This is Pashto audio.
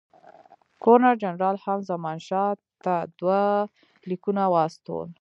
ګورنر جنرال هم زمانشاه ته دوه لیکونه واستول.